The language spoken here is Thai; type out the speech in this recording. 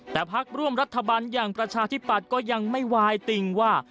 แต่พักร่วมรัฐบาลอย่างประชาธิปัตย์ก็ยังไม่วายติ่งว่า